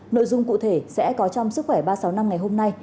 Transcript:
nội dung cụ thể sẽ có trong sức khỏe ba trăm sáu mươi năm ngày hôm nay